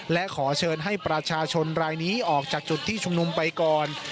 และขอเชิญให้ประชาชนรายนี้ออกจากจุดที่ชุมนุมไปก่อน